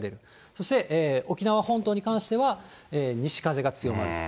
そして沖縄本島に関しては、西風が強まると。